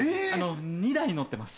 ２台乗ってます。